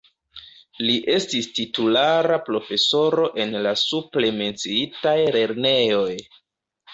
Li estis titulara profesoro en la supre menciitaj lernejoj.